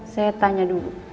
saya tanya dulu